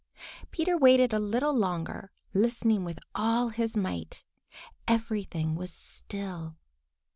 Peter waited a little longer, listening with all his might. Everything was still.